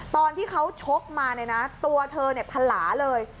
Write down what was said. ตอนที่เขาชกมาน่ะนะตัวเธอเนี่ยพลาเลย